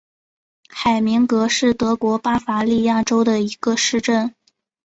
海明格是德国巴伐利亚州的一个市镇。